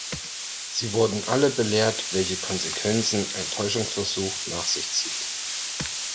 Sie wurden alle belehrt, welche Konsequenzen ein Täuschungsversuch nach sich zieht.